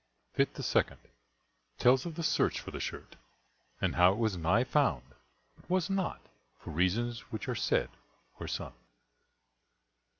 Fytte the Second: tells of the search for the Shirt, and how it was nigh found, but was not, for reasons which are said or sung.